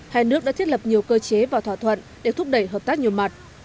hai nước đã thiết lập nhiều cơ chế và thỏa thuận để thúc đẩy hợp tác nhiều mặt